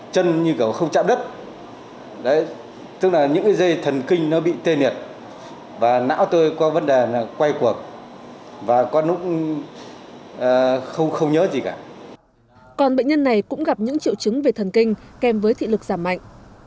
còn bệnh nhân này cũng gặp những triệu chứng về thần kinh kèm với thị lực giảm mạnh